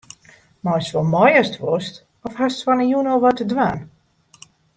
Meist wol mei ast wolst of hast fan 'e jûn al wat te dwaan?